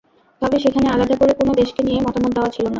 তবে সেখানে আলাদা করে কোনো দেশকে নিয়ে মতামত দেওয়া ছিল না।